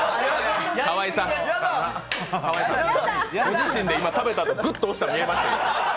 ご自身で今、食べたとき、グッと押したの見えましたよ。